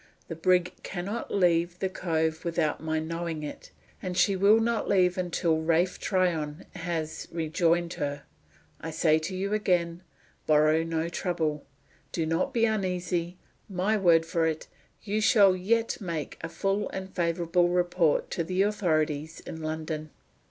"The brig can not leave the cove without my knowing it; and she will not leave until Ralph Tryon has rejoined her. I say to you again borrow no trouble. Do not be uneasy. My word for it, you shall yet make a full and favorable report to the authorities in London."